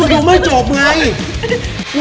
ลูกมันเสมอ๑๑อยู่